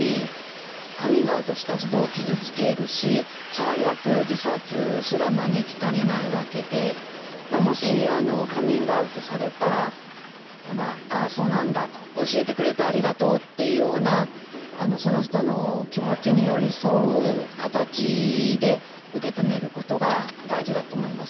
最悪自殺すら招きかねないわけでもしカミングアウトされたら「ああそうなんだ。教えてくれてありがとう」っていうようなその人の気持ちに寄り添う形で受け止めることが大事だと思います。